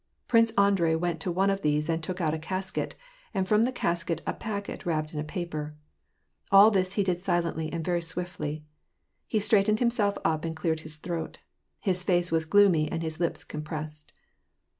Prince Andrei went to one of these and took out a casket, and from the casket a packet wrapped in a paper. All this he did silently and very swiftly. He straightened himself up and cleared his throat. His face was gloomy and his lips compressed.